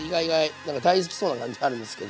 なんか大好きそうな感じあるんですけど。